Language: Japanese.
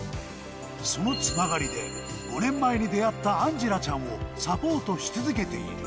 そのつながりで、５年前に出会ったアンジェラちゃんをサポートし続けている。